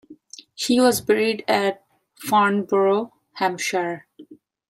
He was buried at Farnborough, Hampshire.